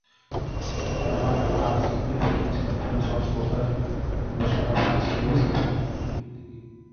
Karamat had significance influence on Bokhari and Musharraf's philosophy and critical thinking.